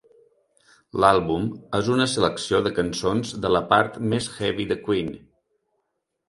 L'àlbum és una selecció de cançons de la part més "heavy" de Queen.